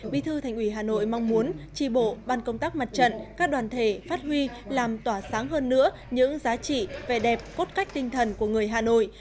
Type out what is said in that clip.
bí thư thành ủy hà nội mong muốn tri bộ ban công tác mặt trận các đoàn thể phát huy làm tỏa sáng hơn nữa những giá trị vẻ đẹp cốt cách tinh thần của người hà nội